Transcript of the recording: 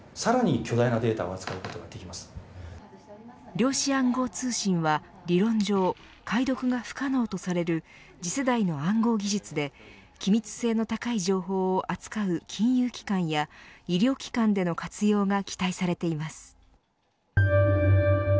量子暗号通信は、理論上解読が不可能とされる次世代の暗号技術で機密性の高い情報を扱う金融機関や医療機関での活用が期待されています。